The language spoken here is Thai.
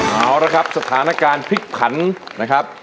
เอาละครับสถานการณ์พลิกผันนะครับ